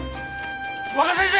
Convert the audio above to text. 若先生！